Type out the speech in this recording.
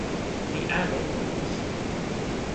mi ale o musi.